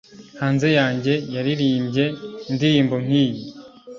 hanze yanjye, yaririmbye indirimbo nkiyi